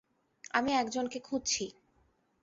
আমি একজনকে খুঁজছি।